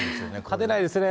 勝てないですね。